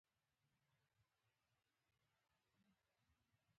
ځلانده وړانګو مصروف کړي وه.